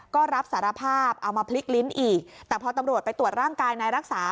ก็รับสารภาพเอามาพลิกลิ้นอีกแต่พอตำรวจไปตรวจร่างกายนายรักษา